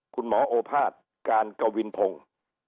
คุณหมอโอภาษย์การกวินพงษ์